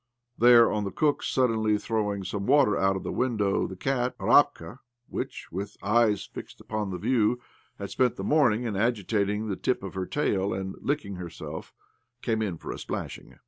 There, on the cook suddenly throwing some water out of the window, the cat Arapka —which, with eyes fixed upon the view, had spent the morning in agitating the tip of her tail and licking herself— came in for a splashing.